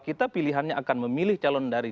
kita pilihannya akan memilih calon dari